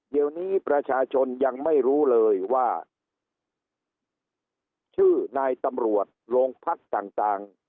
เดี๋ยวนี้ประชาชนยังไม่รู้เลยว่าชื่อนายตำรวจโรงพักต่าง